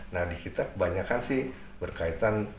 nah di kita kebanyakan sih berkaitan